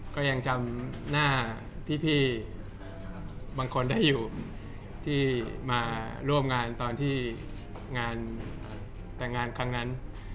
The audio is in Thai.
ก็ยังจำหน้าพี่บางคนได้อยู่ที่มาร่วมงานตอนที่งานแต่งงานครั้งนั้น